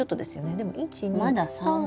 でも１２３枚。